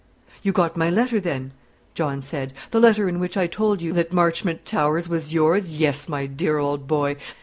"You got my letter, then?" John said; "the letter in which I told you " "That Marchmont Towers was yours. Yes, my dear old boy.